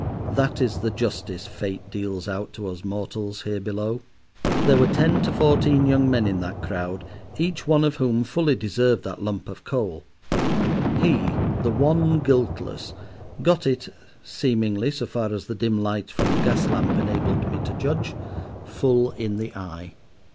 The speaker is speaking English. That is the justice Fate deals out to us mortals here below. There were ten to fourteen young men in that crowd, each one of whom fully deserved that lump of coal; he, the one guiltless, got it—seemingly, so far as the dim light from the gas lamp enabled me to judge, full in the eye.